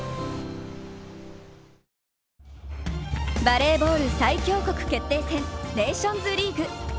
バレーボール最強国決定戦ネーションズリーグ。